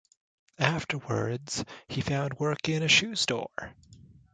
Afterwards, he found work in a shoe store.